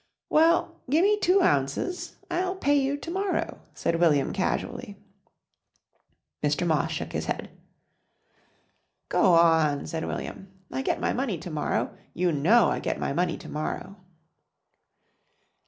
"Well, gimme two ounces. I'll pay you to morrow," said William casually. Mr. Moss shook his head. "Go on!" said William. "I get my money to morrow. You know I get my money to morrow."